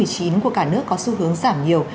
của cả nước có xu hướng giảm nhiều